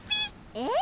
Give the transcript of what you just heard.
えっ？